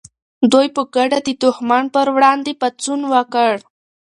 دوی په ګډه د دښمن پر وړاندې پاڅون وکړ.